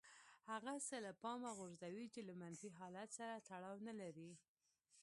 هغه څه له پامه غورځوي چې له منفي حالت سره تړاو نه لري.